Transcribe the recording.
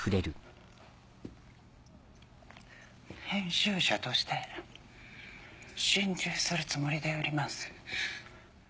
「編集者として心中するつもりで売ります」。